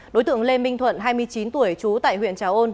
đối tượng lê minh thuận hai mươi chín tuổi trú tại huyện trà ôn